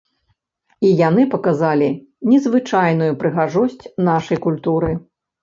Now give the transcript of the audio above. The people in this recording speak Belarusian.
І яны паказалі незвычайную прыгажосць нашай культуры.